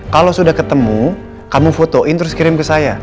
kalau sudah ketemu kamu fotoin terus kirim ke saya